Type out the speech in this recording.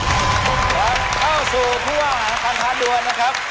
และเข้าสู่ทั่วหมานครทาดวนนะครับ